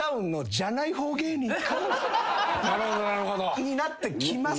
これは。になってきます。